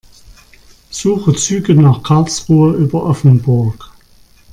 Suche Züge nach Karlsruhe über Offenburg.